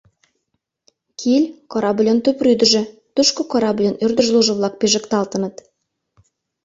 Киль — корабльын тупрӱдыжӧ, тушко корабльын «ӧрдыжлужо-влак» пижыкталтын.